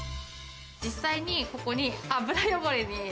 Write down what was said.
実際に、ここに油汚れに。